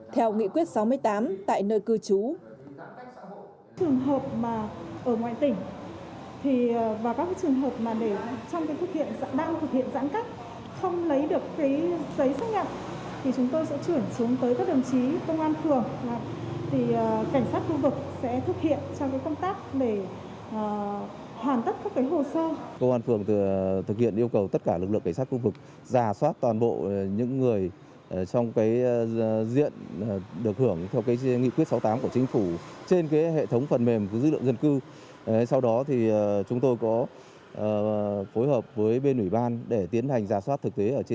theo nghị quyết sáu mươi tám tại nơi cư trú